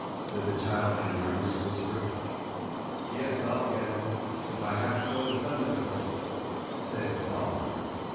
said the child, in an earnest whisper. "Yes, I 'll get him, if I have to go to thunder for 't," said Sol.